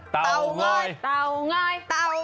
เต่าง้อย